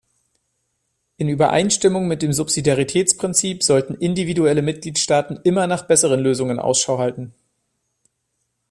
In Übereinstimmung mit dem Subsidiaritätsprinzip sollten individuelle Mitgliedstaaten immer nach besseren Lösungen Ausschau halten.